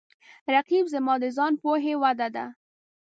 رقیب زما د ځان پوهې وده ده